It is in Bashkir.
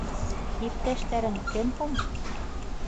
- Иптәштәрең кем һуң?